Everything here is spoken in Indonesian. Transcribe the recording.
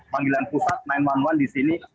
panggilan pusat sembilan ratus sebelas di sini